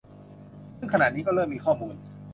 ซึ่งขณะนี้ก็เริ่มมีข้อมูล